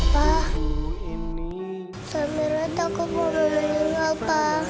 pa saya takut mama meninggal pa